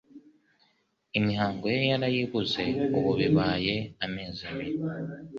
imihango ye yarayibuze ubu bibaye amezi abiri